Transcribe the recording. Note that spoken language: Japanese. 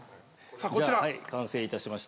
はい完成いたしました。